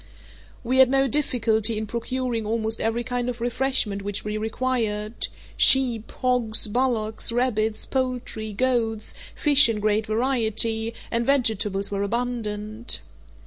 We had no difficulty in procuring almost every kind of refreshment which we required—sheep, hogs, bullocks, rabbits, poultry, goats, fish in great variety, and vegetables were abundant.